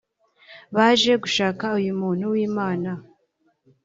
baje gushaka uyu muntu w’Imana…